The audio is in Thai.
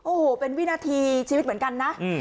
โอ้โหเป็นวินาทีชีวิตเหมือนกันนะ